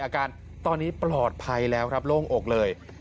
อาการตอนนี้ปลอดภัยแล้วครับโล่งอกเลย